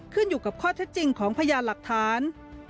ขึ้นอยู่กับข้อเท็จจริงของพยานหลักฐาน